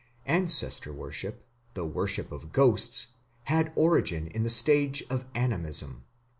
Ancestor worship, the worship of ghosts, had origin in the stage of Animism.